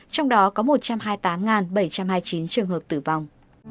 trong đó có một trăm hai mươi tám bảy trăm hai mươi chín trường hợp tử vong